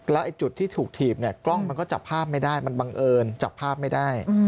แล้วจุดที่ถูกถีบเนี่ยกล้องมันก็จับภาพไม่ได้มันบังเอิญจับภาพไม่ได้